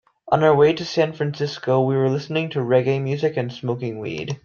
On our way to San Francisco, we were listening to reggae music and smoking weed.